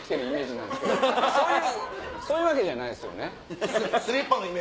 そういうわけじゃないですよね？